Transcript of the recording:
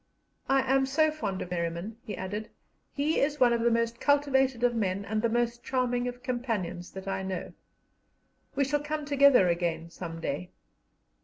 "I am so fond of Merriman," he added; "he is one of the most cultivated of men and the most charming of companions that I know. We shall come together again some day."